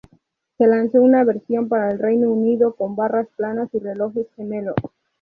Se lanzó una versión para el Reino Unido con barras planas y relojes gemelos.